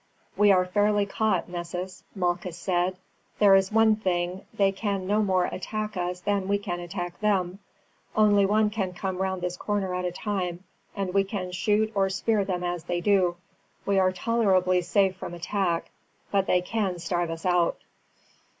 "We are fairly caught, Nessus," Malchus said. "There is one thing, they can no more attack us than we can attack them. Only one can come round this corner at a time, and we can shoot or spear them as they do so. We are tolerably safe from attack, but they can starve us out."